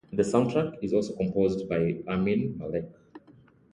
The soundtrack is also composed by Amin Malek